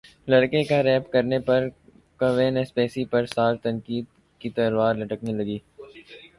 لڑکے کا ریپ کرنے پر کیون اسپیسی پر سال قید کی تلوار لٹکنے لگی